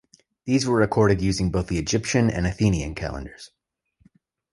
These were recorded using both the Egyptian and Athenian calendars.